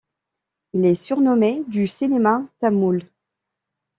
Il est surnommé du cinéma tamoul.